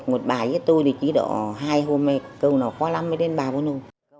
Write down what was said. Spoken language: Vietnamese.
một bà với tôi thì chỉ đọa hai hôm cầu nào khó lắm mới đến bà vô nụ